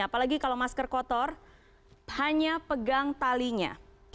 apalagi kalau masker kotor hanya pegang talinya